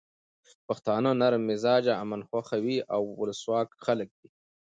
پښتانه نرم مزاجه، امن خوښي او ولسواک خلک دي.